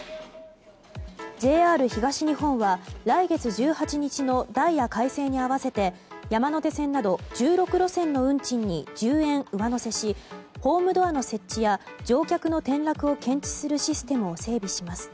ＪＲ東日本は来月１８日のダイヤ改正に合わせて山手線など１６路線の運賃に１０円、上乗せしホームドアの設置や乗客の転落を検知するシステムを整備します。